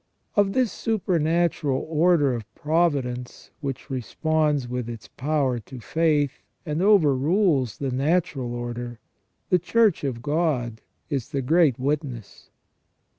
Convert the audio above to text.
Of this supernatural order of providence which responds with its power to faith, and overrules the natural order, the Church of God is the great witness.